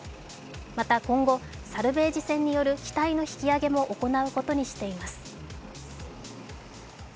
また今後、サルベージ船による機体の引き揚げも行うことにしています。